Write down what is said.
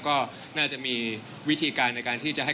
ก็น่าจะมีวิธีการในการที่จะให้